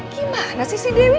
gimana sih sih dewi